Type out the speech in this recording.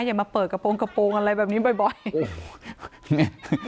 อย่ามาเปิดกระโปรงกระโปรงอะไรแบบนี้บ่อยโอ้โห